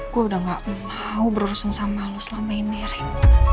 gue udah gak mau berurusan sama lo selama ini rik